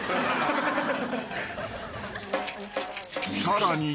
［さらに］